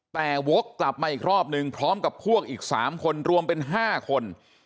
แต่วกกลับมาอีกรอบนึงพร้อมกับพวกอีก๓คนรวมเป็น๕คน